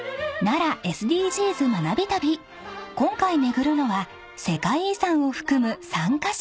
［今回巡るのは世界遺産を含む３カ所］